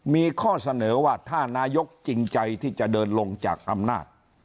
มีข้อเสนอว่าถ้านายกจริงใจที่จะเดินลงจากอำนาจ